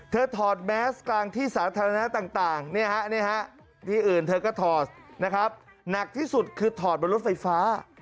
เธอถอดแมสกลางที่สาธารณน้ำต่างเธออื่นนักที่สุดคือถอดบนรถไฟฟ้า